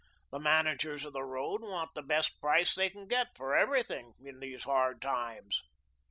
The managers of the road want the best price they can get for everything in these hard times."